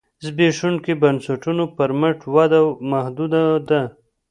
زبېښونکو بنسټونو پر مټ وده محدوده ده.